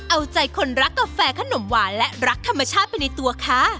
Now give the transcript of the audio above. เอาใจคนรักกาแฟขนมหวานและรักธรรมชาติไปในตัวค่ะ